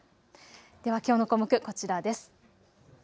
ではきょうの項目、こちらです。